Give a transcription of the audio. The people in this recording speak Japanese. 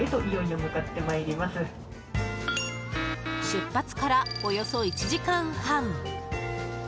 出発から、およそ１時間半。